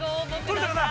◆取れたかな？